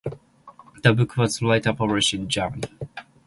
The book was later published in Germany.